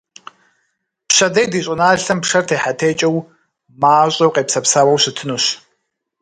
Пщэдей ди щӏыналъэм пшэр техьэтекӏыу, мащӏэу къепсэпсауэу щытынущ.